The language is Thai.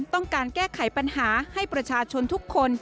ต้องการแก้ไขปัญหาให้ประชาชนทุกคน